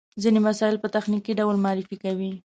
ځينې مسایل په تخنیکي ډول معرفي کوي.